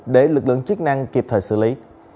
để lực lượng chức năng kịp thời xử lý